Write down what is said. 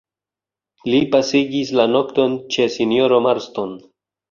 Li pasigis la nokton ĉe sinjoro Marston.